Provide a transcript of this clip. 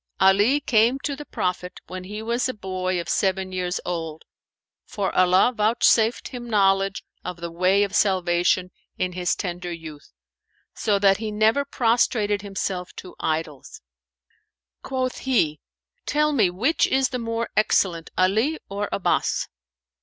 "Ali came to the Prophet, when he was a boy of seven years old, for Allah vouchsafed him knowledge of the way of salvation in his tender youth, so that he never prostrated himself to idols." Quoth he, "Tell me which is the more excellent, Ali or Abbαs?"